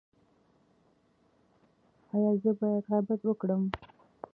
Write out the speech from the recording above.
ایا زه باید غیبت وکړم؟